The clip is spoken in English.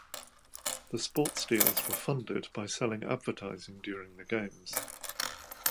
The sports deals were funded by selling advertising during the games.